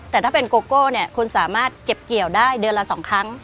แต่ถ้าเป็นโกโก้เนี่ยคุณสามารถเก็บเกี่ยวได้เดือนละ๒ครั้ง